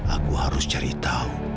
aku harus cari tahu